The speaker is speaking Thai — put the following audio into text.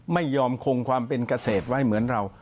ไม่ยอมคงความเป็นเกษตรไว้เหมือนเรา